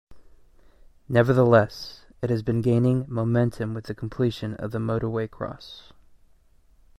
Nevertheless, it has been gaining momentum with the completion of the motorway cross.